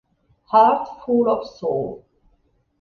Heart Full of Soul